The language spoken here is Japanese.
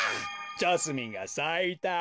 ジャスミンがさいた。